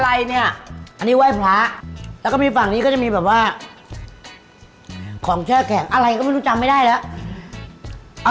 อะไรเนี่ยอันนี้เว้ยพละก็มีฝั่งที่ก็จัดหว่าของแชร์แขกอะไรก็ไม่ทำไม่ได้แล้ว